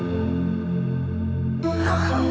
sampai jumpa lagi mams